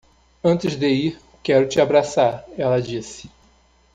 "Antes de ir, quero te abraçar", ela disse.